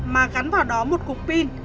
mà gắn vào đó một cục pin